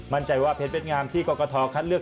มั่นใจว่าเพชรเว็ดงามที่กรกฐคัดเลือก